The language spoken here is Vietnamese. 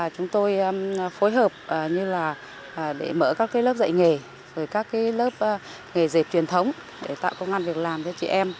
chúng tôi phối hợp để mở các lớp dạy nghề các lớp nghề dẹp truyền thống để tạo công an việc làm cho chị em